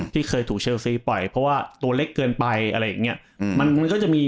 ที่เคยถูกเชิลซีปล่อยเพราะว่าตัวเล็กเกินไปอะไรอย่างนี้